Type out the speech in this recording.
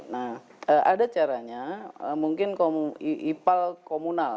nah ada caranya mungkin ipal komunal